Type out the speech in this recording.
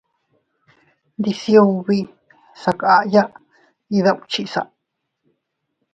Ndisiubi sakaya iydukchisa.